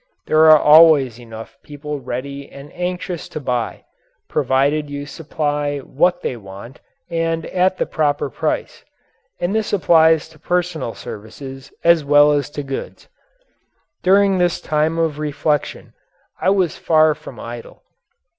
There are always enough people ready and anxious to buy, provided you supply what they want and at the proper price and this applies to personal services as well as to goods. During this time of reflection I was far from idle.